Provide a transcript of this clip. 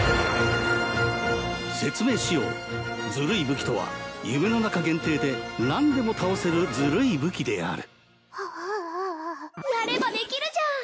武器とは夢の中限定で何でも倒せるずるい武器であるあわわ・やればできるじゃん！